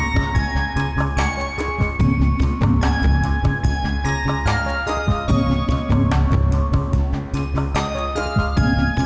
sampai jumpa lagi